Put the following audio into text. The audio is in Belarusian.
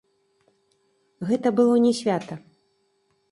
Гэта было не свята!